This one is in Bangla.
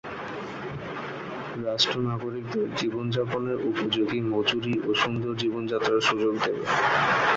রাষ্ট্র নাগরিকদের জীবনযাপনের উপযোগী মজুরি ও সুন্দর জীবনযাত্রার সুযোগ দেবে।